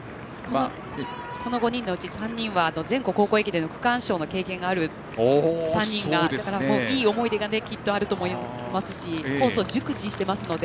この５人のうち３人は全国高校駅伝の区間賞の経験がある３人なのでいい思い出がきっとあると思いますしコースを熟知していますので。